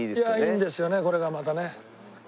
いいんですよねこれがまたね。